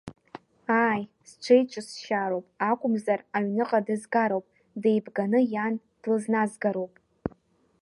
Ааи, сҽиҿысшьаароуп акәымзар аҩныҟа дызгароуп, деибганы иан длызназгароуп.